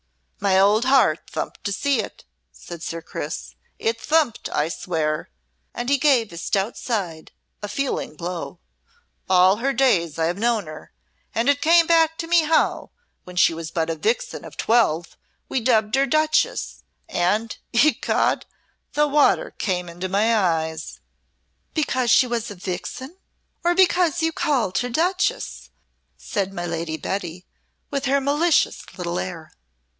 "My old heart thumped to see it!" said Sir Chris; "it thumped, I swear!" and he gave his stout side a feeling blow. "All her days I have known her, and it came back to me how, when she was but a vixen of twelve we dubbed her Duchess, and, ecod! the water came into my eyes!" "Because she was a vixen, or because you called her Duchess?" said my Lady Betty, with her malicious little air.